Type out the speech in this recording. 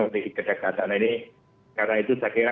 tidak terdapat karena itu saya kira